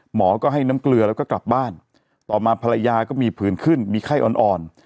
หมอก็ให้น้ำเกลือแล้วก็กลับบ้านต่อมาภรรยาก็มีผื่นขึ้นมีไข้อ่อน